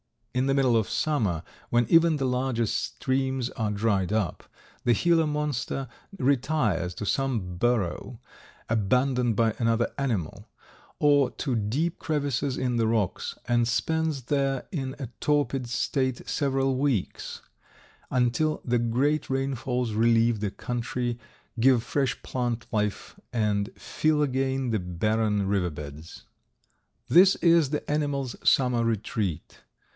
In the middle of summer, when even the larger streams are dried up, the Gila Monster retires to some burrow, abandoned by another animal, or to deep crevices in the rocks, and spends there in a torpid state several weeks, until the great rainfalls relieve the country, give fresh plant life and fill again the barren riverbeds. This is the animal's summer retreat.